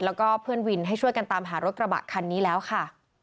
แล้วก็เพื่อนวินให้ช่วยกันตามหารถกระบะคันนี้แล้วค่ะ